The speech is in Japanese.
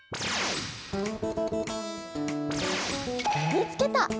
見つけた！